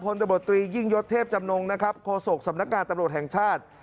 ตะบตรียิ่งยศเทพจำนงนะครับโฆษกสำนักงานตำรวจแห่งชาติ